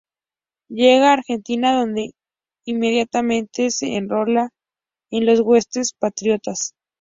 Llega a Argentina donde inmediatamente se enrola en las huestes patriotas.